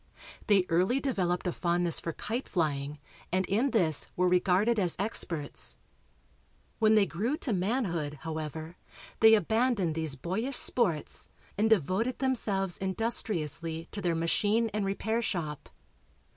They early developed a fondness for kite flying and in this were regarded as experts. When they grew to manhood, however, they abandoned these boyish sports and devoted themselves industriously to their machine and repair shop.